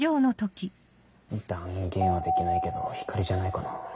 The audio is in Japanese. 断言はできないけど光莉じゃないかな？